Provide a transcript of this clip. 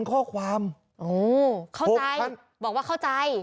บอกว่าเข้าใจ